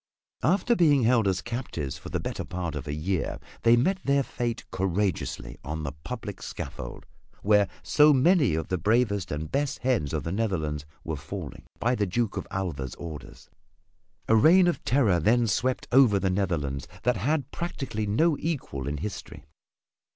After being held as captives for the better part of a year they met their fate courageously on the public scaffold where so many of the bravest and best heads of the Netherlands were falling by the Duke of Alva's orders. A reign of terror then swept over the Netherlands that has had practically no equal in history.